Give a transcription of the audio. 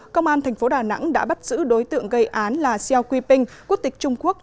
công an tp đà nẵng đã bắt giữ đối tượng gây án là xiao kuiping quốc tịch trung quốc